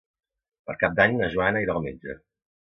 Per Cap d'Any na Joana irà al metge.